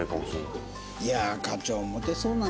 いやあ課長モテそうなのにな。